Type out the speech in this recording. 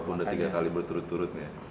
banyak kali berturut turut ya